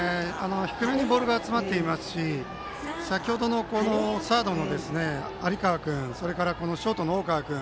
低めにボールが集まっていますし先ほどのサードの有川君、ショートの大川君